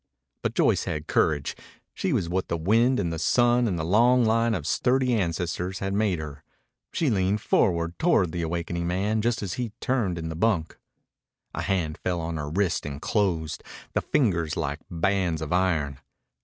But Joyce had courage. She was what the wind and the sun and a long line of sturdy ancestors had made her. She leaned forward toward the awakening man just as he turned in the bunk. A hand fell on her wrist and closed, the fingers like bands of iron.